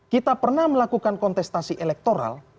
kita pernah melakukan kontestasi elektoral